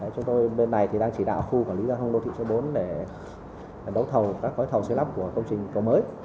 chúng tôi bên này đang chỉ đạo khu quản lý giao thông đô thị số bốn để đấu thầu các gói thầu xây lắp của công trình cầu mới